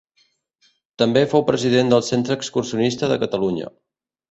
També fou president del Centre Excursionista de Catalunya.